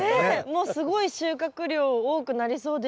もうすごい収穫量多くなりそうですけどね。